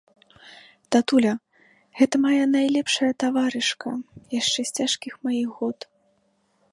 Татуля, гэта мая найлепшая таварышка яшчэ з цяжкіх маіх год.